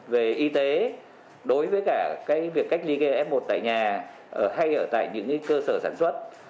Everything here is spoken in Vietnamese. về y tế đối với cả việc cách ly gây f một tại nhà hay ở tại những cơ sở sản xuất